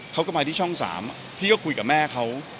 เขาก็มาที่ช่อง๓พี่ก็คุยกับแม่เขา